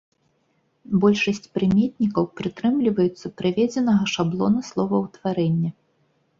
Большасць прыметнікаў прытрымліваюцца прыведзенага шаблона словаўтварэння.